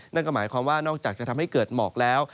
นั่นก็หมายความว่านอกจากจะทำให้เกิดหมอกแล้ว